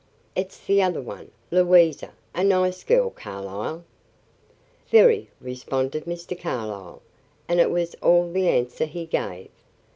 It's the other one, Louisa. A nice girl, Carlyle." "Very," responded Mr. Carlyle, and it was all the answer he gave.